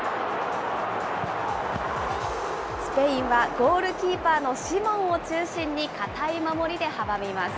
スペインはゴールキーパーのシモンを中心に堅い守りで阻みます。